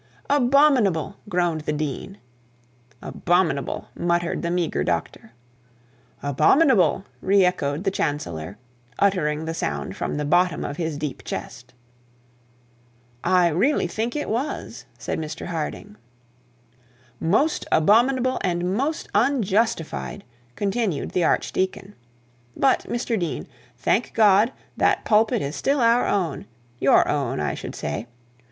'Abominable,' groaned the dean. 'Abominable,' muttered the meagre doctor. 'Abominable,' re echoed the chancellor, uttering a sound from the bottom of his deep chest. 'I really think it was,' said Mr Harding. 'Most abominable, and most unjustifiable,' continued the archdeacon. 'But, Mr Dean, thank God, that pulpit is still our own: your own, I should say.